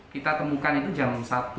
kita temukan itu jam satu